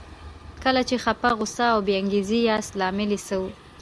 کله چې خپه، غوسه او بې انګېزې ياست لامل يې څه وي؟